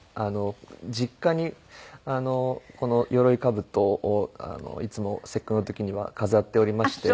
実家にこの鎧兜をいつも節句の時には飾っておりまして。